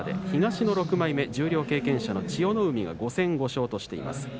東の６枚目、十両経験者の千代の海が５戦５勝としています。